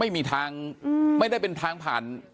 ไม่ได้เป็นทางผ่าน